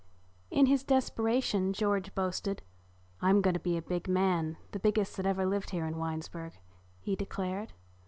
In his desperation George boasted, "I'm going to be a big man, the biggest that ever lived here in Winesburg," he declared.